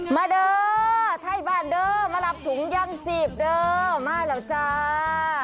เด้อไทยบ้านเด้อมารับถุงย่างจีบเด้อมาแล้วจ้า